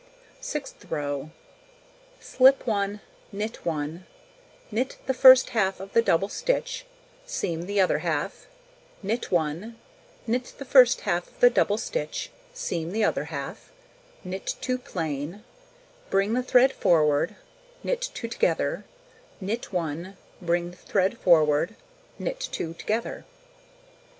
Sixth row: Slip 1, knit 1, knit the first half of the double stitch, seam the other half, knit 1, knit the first half of the double stitch, seam the other half, knit 2 plain, bring the thread forward, knit 2 together, knit 1, bring the thread forward, knit 2 together.